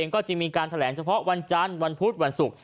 ก็จะมีการแถลงเฉพาะวันจันทร์วันพุธวันศุกร์